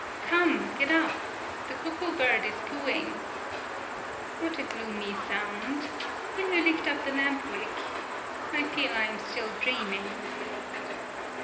"Come, get up. The cuckoo bird is cooing." "What a gloomy sound. Will you 113 PAULOWNIA lift up the lamp wick? I feel I am still dreaming."